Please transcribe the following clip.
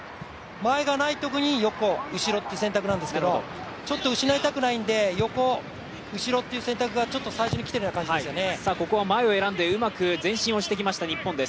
前がないときに横、後ろという選択なんですけどちょっと失いたくないので横、後ろって選択が最初にきているような感じですよね。